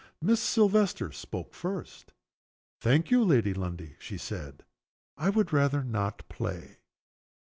Miss Silvester spoke first. "Thank you, Lady Lundie," she said. "I would rather not play."